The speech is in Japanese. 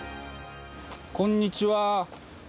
こんにちは。